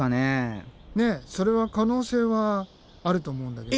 ねえそれは可能性はあると思うんだけど。